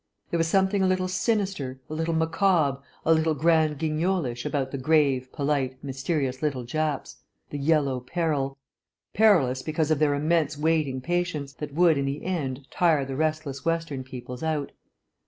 There was something a little sinister, a little macabre, a little Grand Guignolish about the grave, polite, mysterious little Japs. The Yellow Peril. Perilous because of their immense waiting patience, that would, in the end, tire the restless Western peoples out.